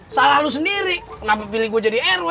salah lu sendiri kenapa pilih gue jadi rw